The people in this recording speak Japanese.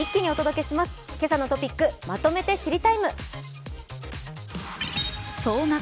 「けさのトピックまとめて知りＴＩＭＥ，」。